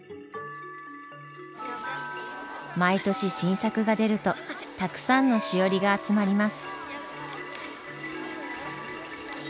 毎年新作が出るとたくさんのしおりが集まります。